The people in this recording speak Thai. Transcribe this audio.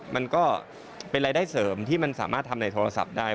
มันก็เป็นรายได้เสริมที่มันสามารถทำในโทรศัพท์ได้